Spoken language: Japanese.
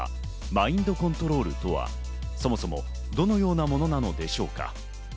マインドコントロールとは、そもそもどのようなものなのでしょうか。